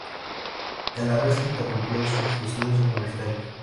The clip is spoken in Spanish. El arresto interrumpió sus estudios universitarios.